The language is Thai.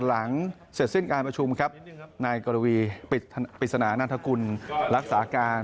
หลังเสร็จสิ้นการประชุมครับนายกรวีปริศนานันทกุลรักษาการ